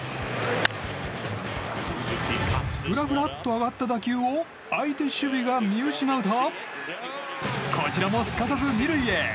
ふらふらっと上がった打球を相手守備が見失うとこちらも、すかさず２塁へ。